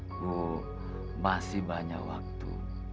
bu masih banyak waktu